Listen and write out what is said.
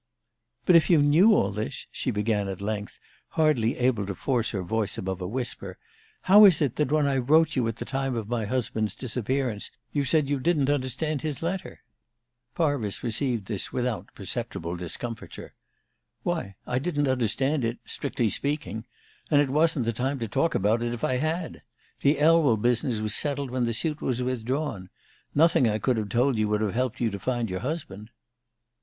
"But if you knew all this," she began at length, hardly able to force her voice above a whisper, "how is it that when I wrote you at the time of my husband's disappearance you said you didn't understand his letter?" Parvis received this without perceptible discomfiture. "Why, I didn't understand it strictly speaking. And it wasn't the time to talk about it, if I had. The Elwell business was settled when the suit was withdrawn. Nothing I could have told you would have helped you to find your husband."